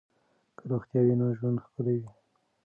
که روغتیا وي نو ژوند ښکلی وي.